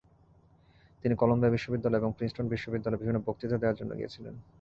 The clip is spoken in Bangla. তিনি কলাম্বিয়া বিশ্ববিদ্যালয় এবং প্রিন্সটন বিশ্ববিদ্যালয়ে বিভিন্ন বক্তৃতা দেওয়ার জন্য গিয়েছিলেন।